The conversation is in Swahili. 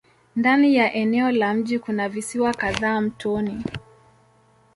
Ndani ya eneo la mji kuna visiwa kadhaa mtoni.